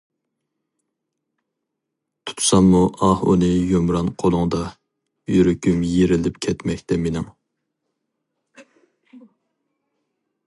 تۇتساممۇ ئاھ ئۇنى يۇمران قولۇڭدا، يۈرىكىم يېرىلىپ كەتمەكتە مېنىڭ.